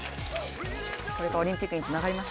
これがオリンピックにつながりました。